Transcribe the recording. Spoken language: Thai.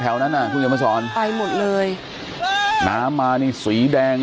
แถวนั้นอ่ะทุกอย่างมาสอนไปหมดเลยน้ำมานี่สีแดง